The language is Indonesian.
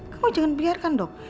kamu jangan biarkan dong